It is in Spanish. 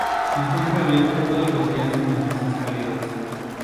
Se encuentra abierto todos los días en los meses cálidos.